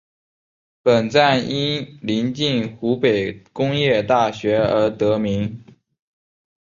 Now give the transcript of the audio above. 本站因临近湖北工业大学而得名。